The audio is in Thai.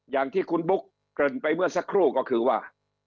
อย่างที่คุณบุ๊กเกริ่นไปเมื่อสักครู่ก็คือว่า